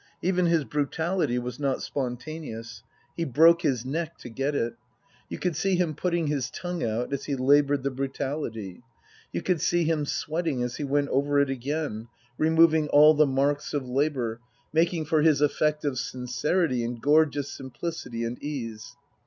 Even his brutality was not spon " taneous. He broke his neck to get it. You could see him putting his tongue out as he laboured the brutality. You could see him sweating as he went over it again, removing all the marks of labour, making for his effect of sincerity and gorgeous simplicity and ease.